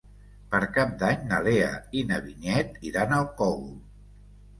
Per Cap d'Any na Lea i na Vinyet iran al Cogul.